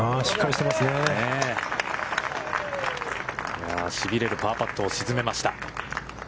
しびれるパーパットを沈めました。